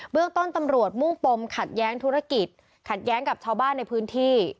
เรื่องต้นตำรวจมุ่งปมขัดแย้งธุรกิจขัดแย้งกับชาวบ้านในพื้นที่